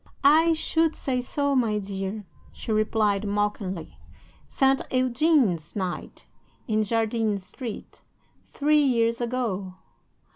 "'"I should say so, my dear," she replied, mockingly. "Saint Eugene's night, in Jardines Street, three years ago."